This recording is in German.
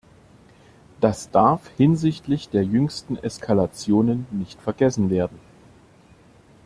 Das darf hinsichtlich der jüngsten Eskalationen nicht vergessen werden.